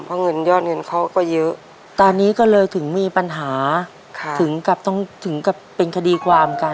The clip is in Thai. เพราะเงินยอดเงินเขาก็เยอะตอนนี้ก็เลยถึงมีปัญหาถึงกับต้องถึงกับเป็นคดีความกัน